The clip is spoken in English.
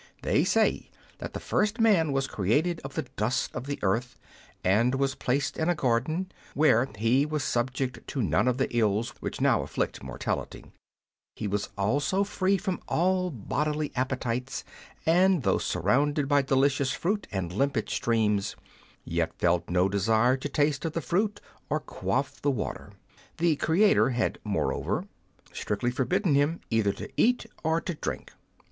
They say that the first man was created of the dust of the earth, and was placed in a garden, where he was subject to none of the ills which now afflict mortality ; he was also free from all bodily appetites, and though sur rounded by delicious fruit and limpid streams, yet felt no desire to taste of the fruit or quaff the water. The Creator had, moreover, strictly forbidden him either to eat or to drink.